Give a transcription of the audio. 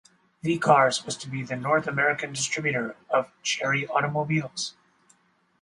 V Cars was to be the North American distributor of Chery Automobiles.